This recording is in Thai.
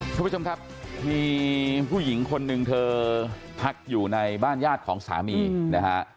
คุณผู้ชมครับมีผู้หญิงคนหนึ่งเธอพักอยู่ในบ้านญาติของสามีนะฮะ